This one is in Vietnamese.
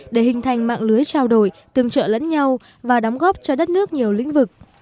để hình thành mạng lưới trao đổi tương trợ lẫn nhau và đóng góp cho đất nước nhiều lĩnh vực